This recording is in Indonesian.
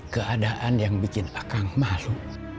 keadaan yang bikin akang malu